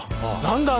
何だ？